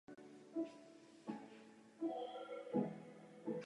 Její otec je hudebník a často produkoval hudbu pro hry pro divadla ve Vancouveru.